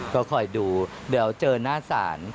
ก็คอยดูเดี๋ยวเจอหน้าศาล